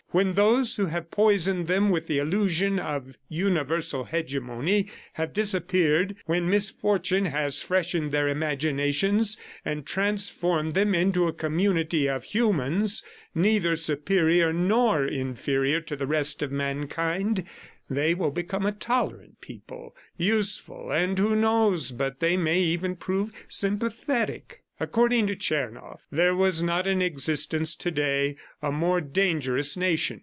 When those who have poisoned them with the illusion of universal hegemony have disappeared, when misfortune has freshened their imagination and transformed them into a community of humans, neither superior nor inferior to the rest of mankind, they will become a tolerant people, useful ... and who knows but they may even prove sympathetic!" According to Tchernoff, there was not in existence to day a more dangerous nation.